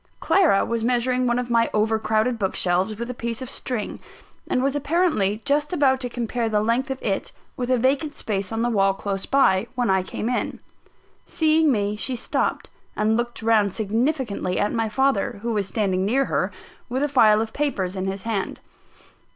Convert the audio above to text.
Clara was measuring one of my over crowded book shelves, with a piece of string; and was apparently just about to compare the length of it with a vacant space on the wall close by, when I came in. Seeing me, she stopped; and looked round significantly at my father, who was standing near her, with a file of papers in his hand.